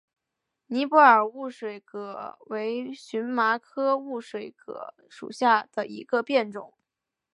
尼泊尔雾水葛为荨麻科雾水葛属下的一个变种。